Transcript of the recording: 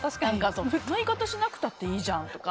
そんな言い方しなくたっていいじゃんとか。